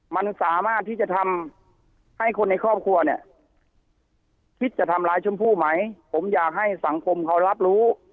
มันสามารถที่จะทำให้คนในครอบครัวเนี่ยคิดจะทำร้ายชมพู่ไหมผมอยากให้สังคมเขารับรู้